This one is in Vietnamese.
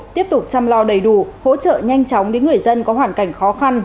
tiếp tục chăm lo đầy đủ hỗ trợ nhanh chóng đến người dân có hoàn cảnh khó khăn